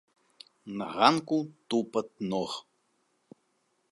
На ганку тупат ног.